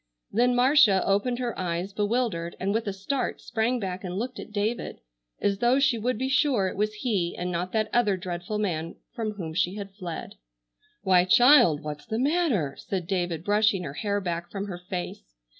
Then Marcia opened her eyes bewildered, and with a start, sprang back and looked at David, as though she would be sure it was he and not that other dreadful man from whom she had fled. "Why, child! What's the matter?" said David, brushing her hair back from her face.